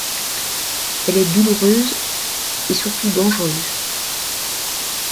Elle est douloureuse, et surtout dangereuse.